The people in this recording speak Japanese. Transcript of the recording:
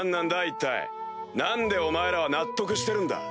一体何でお前らは納得してるんだ？